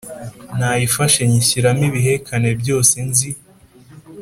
Nayifashe nyinshyiramo ibihekane byose nzi